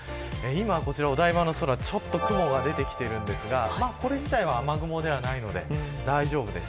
今、こちらお台場の空、少し雲が出てきてるんですがこれ自体は雨雲ではないので大丈夫です。